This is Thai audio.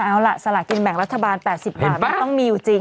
เอาล่ะสลากินแบ่งรัฐบาล๘๐บาทมันต้องมีอยู่จริง